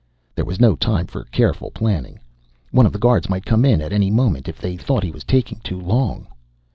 There was no time for careful planning. One of the guards might come in at any moment if they thought he was taking too long.